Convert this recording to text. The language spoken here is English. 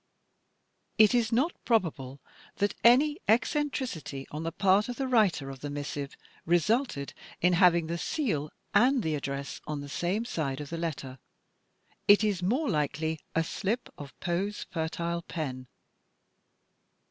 It is not probable that any eccentricity on the part of the writer of the missive resulted in having the seal and the address on the same side of the letter; it is more likely a slip of Poe's fertile pen.